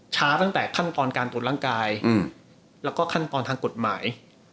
ตั้งแต่ขั้นตอนการตรวจร่างกายแล้วก็ขั้นตอนทางกฎหมาย